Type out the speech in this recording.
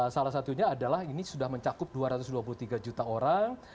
salah satunya adalah ini sudah mencakup dua ratus dua puluh tiga juta orang